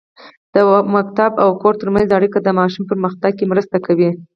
د ښوونځي او کور ترمنځ اړیکه د ماشوم په پرمختګ کې مرسته کوي.